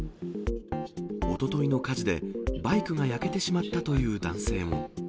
おとといの火事でバイクが焼けてしまったという男性も。